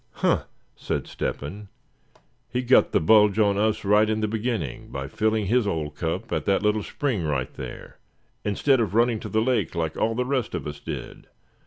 "Huh!" said Step hen, "he got the bulge on us right in the beginning by filling his old cup, at that little spring right here, instead of running to the lake like all the rest of us did.